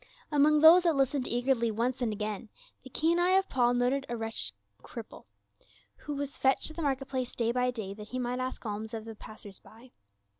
Among those that listened eagerly once and again, the keen eye of Paul noticed a wretched cripple, who was fetched to the market place day by day tliat he might ask alms of the passers by.